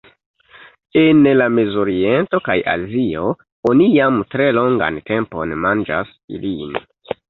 En la Mezoriento kaj Azio oni jam tre longan tempon manĝas ilin.